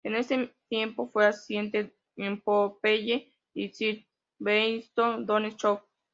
En ese tiempo fue asistente en Popeye y "Sir Wellington Bones Show".